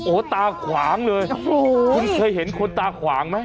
โอ้โหตาขวางเลยคุณเคยเห็นคนตาขวางไหม